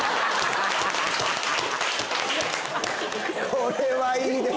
これはいいです。